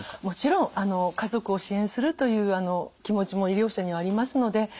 もちろん家族を支援するという気持ちも医療者にはありますので。